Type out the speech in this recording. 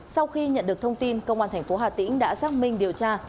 sau khi nhận được thông tin công an tp htn đã giác minh điều tra